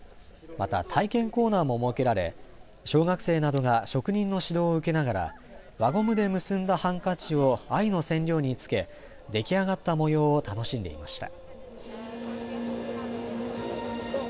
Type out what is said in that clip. また、体験コーナーも設けられ小学生などが職人の指導を受けながら輪ゴムで結んだハンカチを藍の染料につけ、出来上がった模様を楽しんでいました。